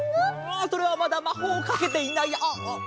ああそれはまだまほうをかけていないあっあっ。